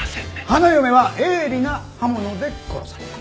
花嫁は鋭利な刃物で殺された。